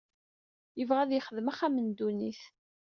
Yebɣa ad yexdem axxam n ddunit.